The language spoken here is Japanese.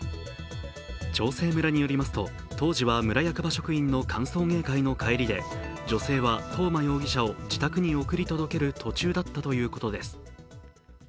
長生村によりますと、当時は村役場職員の歓送迎会の帰りで女性は東間容疑者を自宅に送り届ける途中だったということです。